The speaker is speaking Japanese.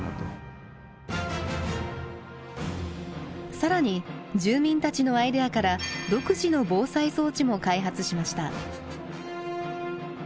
更に住民たちのアイデアから独自の防災装置も開発しました。